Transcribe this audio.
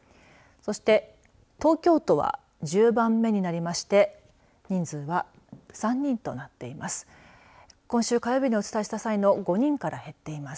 そして東京都は１０番目になりまして人数は３人となっています。